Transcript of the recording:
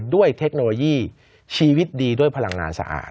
เทคโนโลยีชีวิตดีด้วยพลังงานสะอาด